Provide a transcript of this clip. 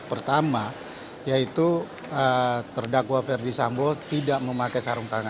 pertama yaitu terdakwa ferdie sambo tidak memakai